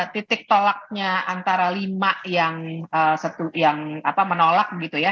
titik tolaknya antara lima yang menurut saya